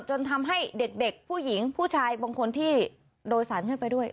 จนทำให้เด็กผู้หญิงผู้ชายบางคนที่โดยสารขึ้นไปด้วย